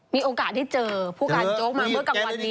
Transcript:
มีโอกาสได้เจอผู้การโจ๊กมาเมื่อกลางวันนี้